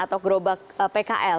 atau gerobak pkl